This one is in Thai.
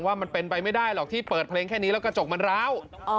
มันเป็นไปไม่ได้หรอกที่เปิดเพลงแค่นี้แล้วกระจกมันร้าว